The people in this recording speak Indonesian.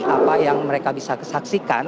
apa yang mereka bisa kesaksikan